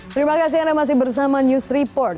terima kasih anda masih bersama news report